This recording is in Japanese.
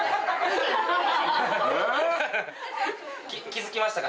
気付きましたか。